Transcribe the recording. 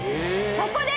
そこで！